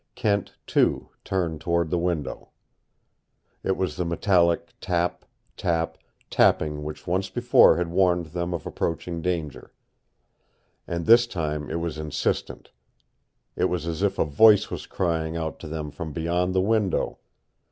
Kent, too, turned toward the window. It was the metallic tap, tap, tapping which once before had warned them of approaching danger. And this time it was insistent. It was as if a voice was crying out to them from beyond the window.